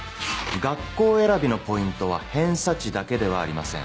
学校選びのポイントは偏差値だけではありません。